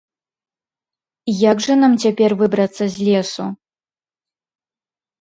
- Як жа нам цяпер выбрацца з лесу?